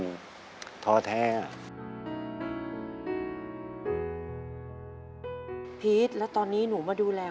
คุณหมอบอกว่าเอาไปพักฟื้นที่บ้านได้แล้ว